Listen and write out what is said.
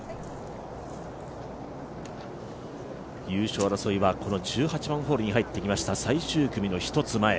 優勝争いはこの１８番ホールに入ってきました、最終組の１つ前。